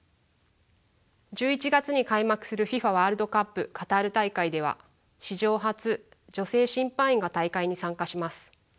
１１月に開幕するＦＩＦＡワールドカップカタール大会では史上初女性審判員が大会に参加します。